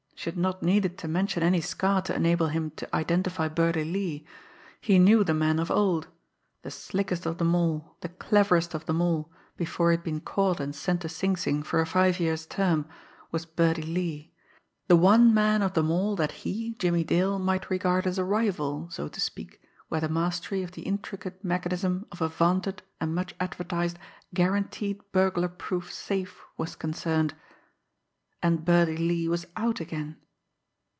She had not needed to mention any scar to enable him to identify Birdie Lee. He knew the man of old. The slickest of them all, the cleverest of them all, before he had been caught and sent to Sing Sing for a five years' term, was Birdie Lee the one man of them all that he, Jimmie Dale, might regard as a rival, so to speak, where the mastery of the intricate mechanism of a vaunted and much advertised "guaranteed burglar proof safe" was concerned! And Birdie Lee was out again!